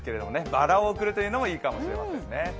バラを贈るというのもいいかもしれませんね。